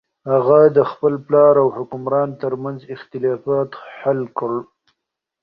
هغه د خپل پلار او حکمران تر منځ اختلاف حل کړ.